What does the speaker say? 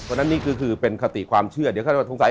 เพราะฉะนั้นนี่ก็คือเป็นคติความเชื่อเดี๋ยวเขาจะสงสัย